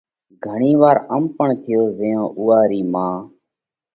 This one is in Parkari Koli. گھڻِي وار ام پڻ ٿيو زئيون اُوئا رِي مان،